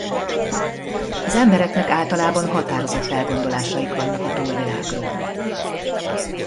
Az embereknek általában határozott elgondolásaik vannak a túlvilágról.